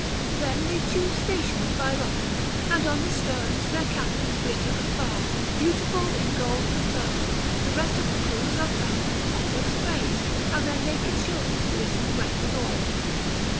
Then they choose stations by lot, and on the sterns their captains glitter afar, beautiful in gold and purple; the rest of the crews are crowned with poplar sprays, and their naked shoulders glisten wet with oil.